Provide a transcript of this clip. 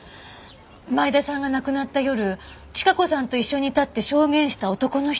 前田さんが亡くなった夜チカ子さんと一緒にいたって証言した男の人。